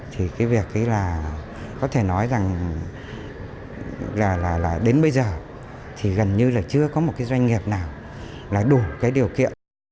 thì cái việc ấy là có thể nói rằng là đến bây giờ thì gần như là chưa có một cái doanh nghiệp nào là đủ cái điều kiện